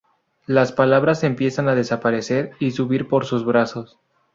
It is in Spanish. Las palabras empiezan a desaparecer y subir por sus brazos.